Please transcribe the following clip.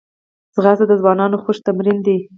منډه د ځوانانو خوښ تمرین دی